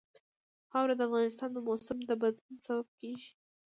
خاوره د افغانستان د موسم د بدلون سبب کېږي.